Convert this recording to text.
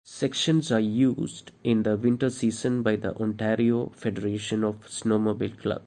Sections are used in the winter season by the Ontario Federation of Snowmobile Clubs.